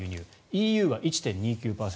ＥＵは１．２９％